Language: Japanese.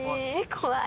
怖い。